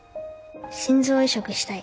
心臓移植したい。